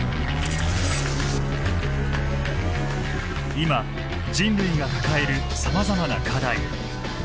今人類が抱えるさまざまな課題。